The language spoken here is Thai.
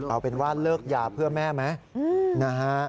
เอาเป็นว่าเลิกยาเพื่อแม่ไหมนะฮะ